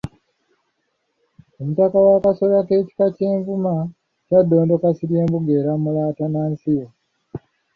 Omutaka wa Kasolya mu Kika ky'e Nvuma , Kyaddondo Kasirye Mbugeeramula Atanansiyo